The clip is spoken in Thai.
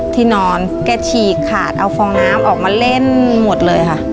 ที่นอนแกฉีกขาดเอาฟองน้ำออกมาเล่นหมดเลยค่ะ